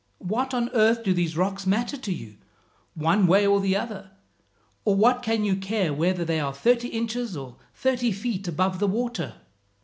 What on earth do these rocks matter to you, one way or the other? or what can you care whether they are thirty inches or thirty feet above the water?